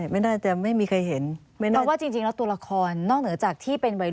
ไม่น่าจะมีใครเห็น